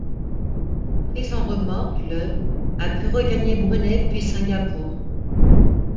Pris en remorque, le a pu regagner Brunei, puis Singapour.